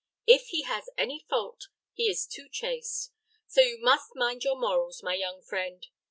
If he has any fault, he is too chaste; so you must mind your morals, my young friend.